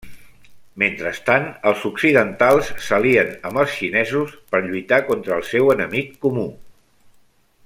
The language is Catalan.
Mentrestant, els occidentals s'alien amb els xinesos per lluitar contra el seu enemic comú.